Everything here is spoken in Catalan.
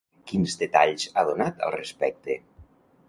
Quins detalls ha donat al respecte?